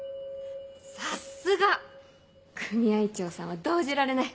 ・さすが！組合長さんは動じられない。